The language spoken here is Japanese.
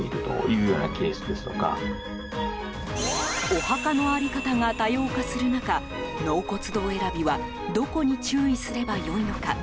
お墓の在り方が多様化する中納骨堂選びはどこに注意すれば良いのか。